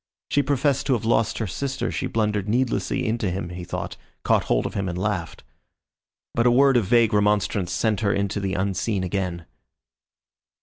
She professed to have lost her sister, she blundered needlessly into him he thought, caught hold of him and laughed. But a word of vague remonstrance sent her into the unseen again.